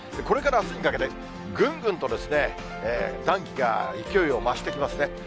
これからあすにかけて、ぐんぐんと、暖気が勢いを増してきますね。